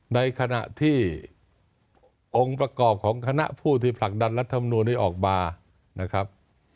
ในขณะที่องค์ประกอบของคณะผู้ที่ผลักดันรัฐมนูลนี้ออกมานะครับ